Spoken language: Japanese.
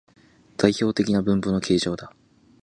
代表的な分布の形状だ